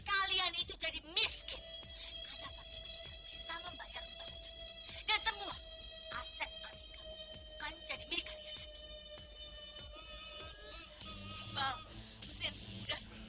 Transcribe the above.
kalau dapet tim aku maksudnya